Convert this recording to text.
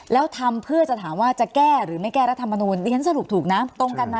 แล้วทำเพื่อจะถามว่าจะแก้หรือไม่แก้รัฐมนูลดิฉันสรุปถูกนะตรงกันนะ